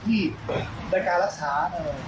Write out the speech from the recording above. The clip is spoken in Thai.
ในการรักษา